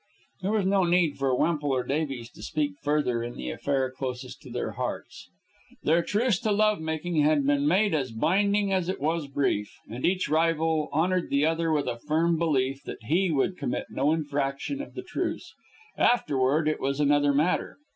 There was no need for Wemple or Davies to speak further in the affair closest to their hearts. Their truce to love making had been made as binding as it was brief, and each rival honored the other with a firm belief that he would commit no infraction of the truce. Afterward was another matter.